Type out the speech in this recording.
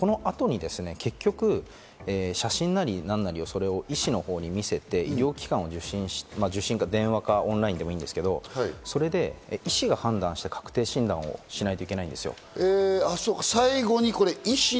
ただ、これ、この後に結局、写真なり何なりを医師のほうに見せて医療機関に電話かオンラインでもいいんですけど、それで医師が判断して確定診断をしなけいけないんですよ。